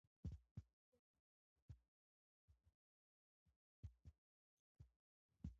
طلا د افغانستان د ناحیو ترمنځ تفاوتونه رامنځ ته کوي.